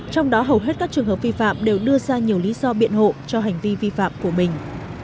trong đó hầu hết các trường hợp vi phạm đều đưa ra nhiều lý do biện hộ cho hành vi vi phạm của mình